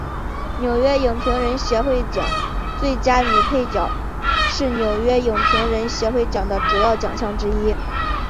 纽约影评人协会奖最佳女配角是纽约影评人协会奖的主要奖项之一。